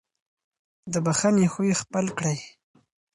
د بښنې خوی خپل کړئ.